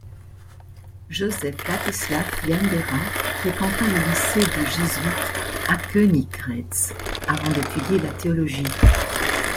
Josef Ladislav Jandera fréquenta le lycée de jésuites à Königgrätz avant d’étudier la théologie.